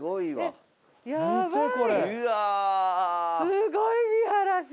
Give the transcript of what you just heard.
すごい見晴らし。